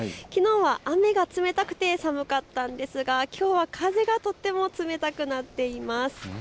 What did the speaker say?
きのうは雨が冷たくて寒かったんですがきょうは風がとても冷たくなっています。